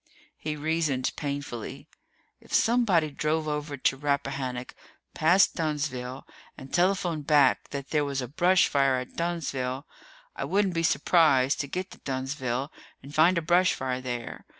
He reasoned painfully, "If somebody drove over to Rappahannock, past Dunnsville, and telephoned back that there was a brush fire at Dunnsville, I wouldn't be surprised to get to Dunnsville and find a brush fire there.